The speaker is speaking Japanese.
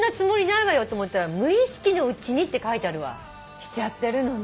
しちゃってるのね。